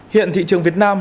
hiện thị trường việt nam